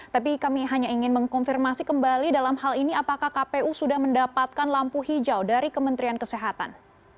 tapi kami hanya ingin mengkonfirmasi kembali dalam hal ini apakah kpu sudah mendapatkan lampu hijau dari kementerian kesehatan